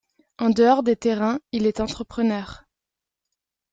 En dehors des terrains, il est entrepreneur.